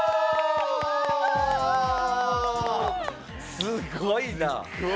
すごいな！